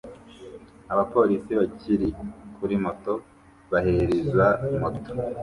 Abapolisi bari kuri moto baherekeza moto